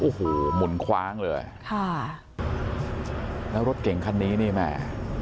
โอ้โหหมุนคว้างเลยค่ะแล้วรถเก่งคันนี้นี่แม่